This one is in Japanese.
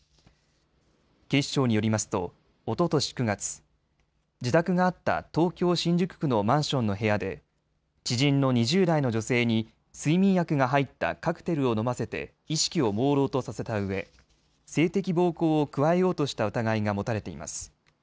警視庁によりますとおととし９月、自宅があった東京新宿区のマンションの部屋で知人の２０代の女性に睡眠薬が入ったカクテルを飲ませて意識をもうろうとさせたうえ、性的暴行を加えようとした疑いが持たれています。